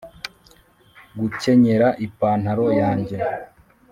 gukenyera ipantaro yanjye